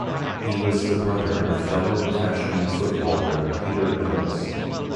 He was the brother of fellow professional footballer Peter Knowles.